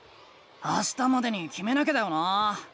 あしたまでにきめなきゃだよな？